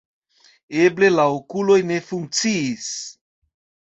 Eble, la okuloj ne funkciis.